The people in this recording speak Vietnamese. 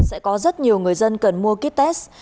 sẽ có rất nhiều người dân cần mua ký test